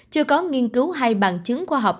chưa có nghiên cứu hay bằng chứng khoa học